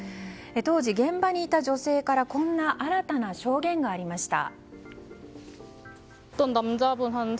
当時、現場にいた女性からこんな新たな証言がありました。